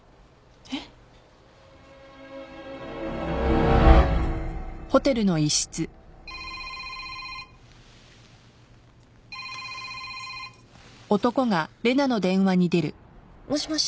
えっ？もしもし。